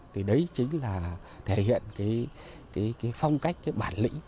thì đấy chính là thể hiện cái phong cách cái bản lĩnh